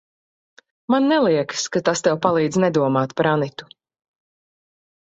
Man neliekas, ka tas tev palīdz nedomāt par Anitu.